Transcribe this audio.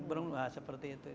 belum pernah seperti itu